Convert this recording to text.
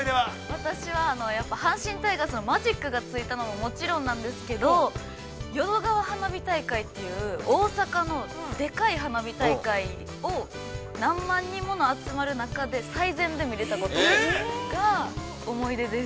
◆私は、やっぱり阪神タイガースのマジックがついたのももちろんなんですけど、「淀川花火大会」という、大阪のでかい花火大会を何万人もの集まる中で、最前列で見れたことが思い出です。